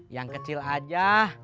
yang kecil aja